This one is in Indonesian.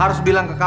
aku mau ke rumah